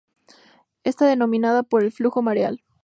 Está dominada por el flujo mareal.